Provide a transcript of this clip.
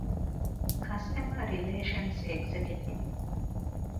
ކަސްޓަމަރ ރިލޭޝަންސް އެގްޒެކެޓިވް